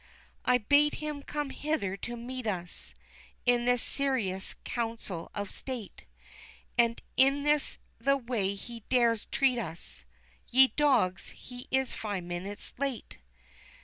"I bade him come hither to meet us, in this serious Council of State; And this is the way he dares treat us. Ye dogs, he is five minutes late!"